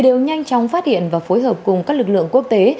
đều nhanh chóng phát hiện và phối hợp cùng các lực lượng quốc tế